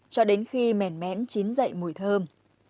cho đến khi mèn mén chín dậy mùi thơm